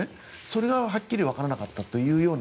それがはっきりわからなかったと。